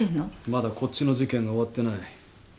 まだこっちの事件が終わってない。